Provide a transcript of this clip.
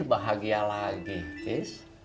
bahagia lagi tis